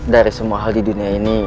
dari semua hal di dunia ini